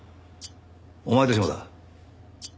お前たちもだ。